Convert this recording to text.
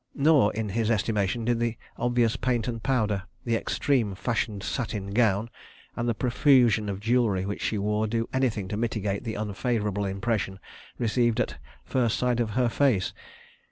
Nor, in his estimation, did the obvious paint and powder, the extreme fashioned satin gown, and the profusion of jewellery which she wore, do anything to mitigate the unfavourable impression received at first sight of her face.